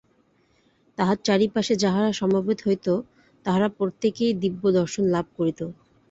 তাঁহার চারিপাশে যাহারা সমবেত হইত, তাহারা প্রত্যেকেই দিব্যদর্শন লাভ করিত।